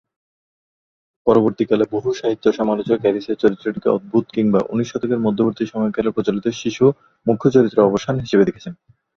পরবর্তীকালে বহু সাহিত্য সমালোচক অ্যালিসের চরিত্রটিকে অদ্ভুত কিংবা উনিশ শতকের মধ্যবর্তী সময়কালে প্রচলিত শিশু মুখ্য চরিত্রের অবসান হিসেবে দেখেছেন।